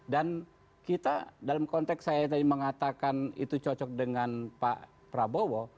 dan kita dalam konteks saya tadi mengatakan itu cocok dengan pak prabowo